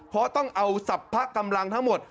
เพราะต้องเอาศัพท์พระกำลังทั้งหมด